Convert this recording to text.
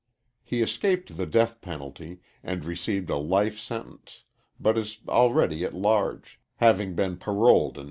He escaped the death penalty, and received a life sentence, but is already at large, having been paroled 1916.